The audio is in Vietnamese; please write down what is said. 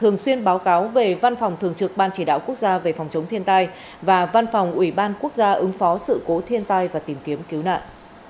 thường xuyên báo cáo về văn phòng thường trực ban chỉ đạo quốc gia về phòng chống thiên tai và văn phòng ủy ban quốc gia ứng phó sự cố thiên tai và tìm kiếm cứu nạn